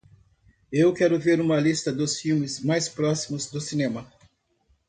Eu quero ver uma lista dos filmes mais próximos do cinema